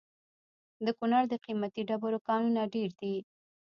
د کونړ د قیمتي ډبرو کانونه ډیر دي؟